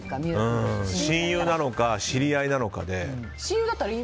親友なのか、知り合いなのかで。